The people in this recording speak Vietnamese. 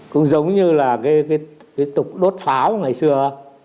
cũng giống như là cái tục đốt pháo ngày xưa